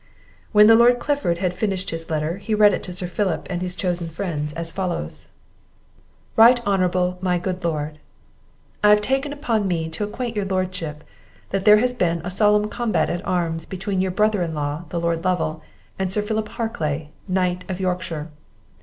When the Lord Clifford had finished his letter, he read it to Sir Philip and his chosen friends, as follows: "RIGHT HON. MY GOOD LORD, I have taken upon me to acquaint your Lordship, that there has been a solemn combat at arms between your brother in law, the Lord Lovel, and Sir Philip Harclay, Knt. of Yorkshire.